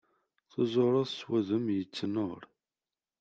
Tuzureḍ s wudem yettnur.